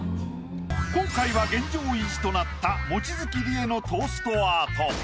今回は現状維持となった望月理恵のトーストアート。